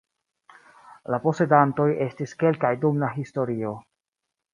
La posedantoj estis kelkaj dum la historio.